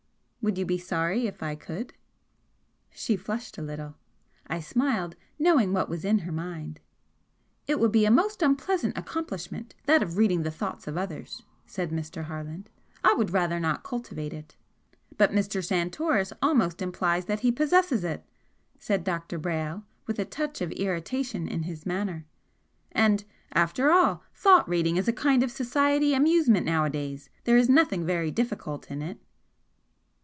"Would you be sorry if I could?" She flushed a little. I smiled, knowing what was in her mind. "It would be a most unpleasant accomplishment that of reading the thoughts of others," said Mr. Harland; "I would rather not cultivate it." "But Mr. Santoris almost implies that he possesses it," said Dr. Brayle, with a touch of irritation in his manner; "And, after all, 'thought reading' is a kind of society amusement nowadays. There is nothing very difficult in it."